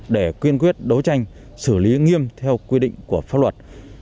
để quyên quyết đấu tranh xử lý nghiêm theo quy định của pháp luật